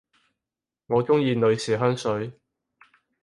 我鍾意女士香水